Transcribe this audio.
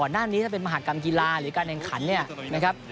หน้านี้ถ้าเป็นมหากรรมกีฬาหรือการแข่งขันเนี่ยนะครับ